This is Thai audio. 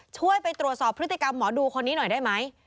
ช่วยไปตรวจสอบพฤติกรรมหมอดูคนนี้หน่อยได้ไหม